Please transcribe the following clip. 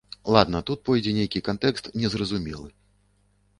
Ладна, тут пойдзе нейкі кантэкст незразумелы.